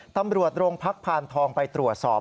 ตำรวจโรงพักพานทองไปตรวจสอบ